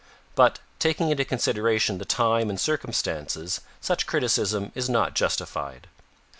But, taking into consideration the time and circumstances, such criticism is not justified.